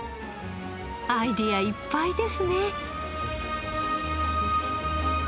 アイデアいっぱいですね。